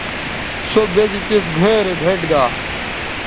سو بے زی تِس گھئے رے بھئیٹ گا